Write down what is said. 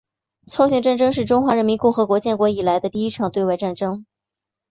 朝鲜战争是中华人民共和国建国以来的第一场对外战争。